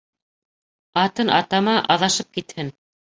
Атын атама, аҙашып китһен.